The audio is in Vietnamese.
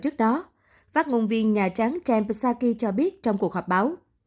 trước đó phát ngôn viên nhà tráng trang psaki cho biết trong cuộc họp báo